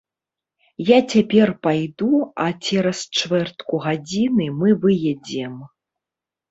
Я цяпер пайду, а цераз чвэртку гадзіны мы выедзем.